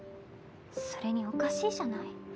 それにおかしいじゃない。